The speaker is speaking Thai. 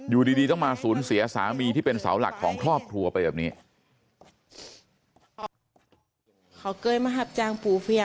อยู่ดีต้องมาสูญเสียสามีที่เป็นเสาหลักของครอบครัวไปแบบนี้